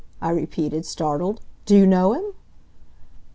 I repeated, startled. "Do you know him?"